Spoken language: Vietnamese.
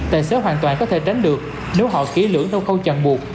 tài xế hoàn toàn có thể tránh được nếu họ ký lưỡng trong khâu chặn buộc